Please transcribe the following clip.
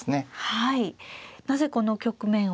はい。